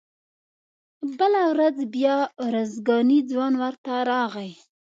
بله ورځ بیا ارزګانی ځوان ورته راغی.